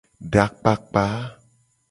Edakpakpa.